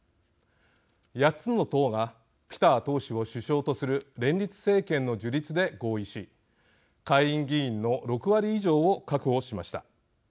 ８つの党がピター党首を首相とする連立政権の樹立で合意し下院議員の６割以上を確保しました。